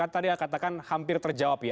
tadi katakan hampir terjawab ya